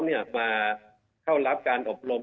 มาเข้ารับการอบรม